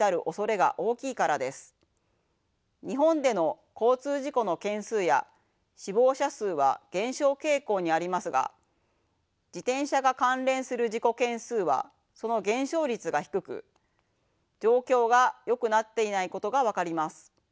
日本での交通事故の件数や死亡者数は減少傾向にありますが自転車が関連する事故件数はその減少率が低く状況がよくなっていないことが分かります。